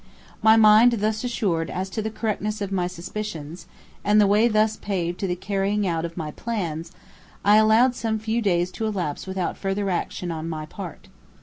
My mind thus assured as to the correctness of my suspicions, and the way thus paved to the carrying out of my plans, I allowed some few days to elapse without further action on my part.